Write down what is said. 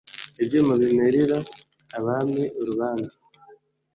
ibyuma bimerira abami urubanza?